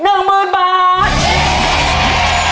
ผมจะเรียกคุณอีกข้อต่อไปนะครับ